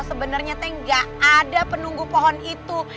sebenarnya aku enggak ada penunggu pohon itu